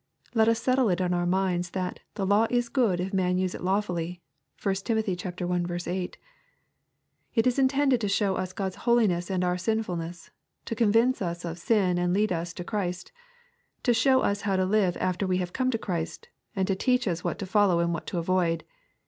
Let us settle it in our minds that " the law is good if man use it lawfully." (1 Tiin. i. 8.) It is intended to show us God's holiness and our sinfulness, — to convince us of sin and to lead us to Christ, — to show us how to live after we have come to Christ, and to teach us what to follow and what to avoid.